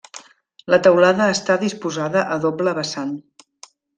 La teulada està disposada a doble vessant.